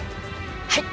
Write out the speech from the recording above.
はい！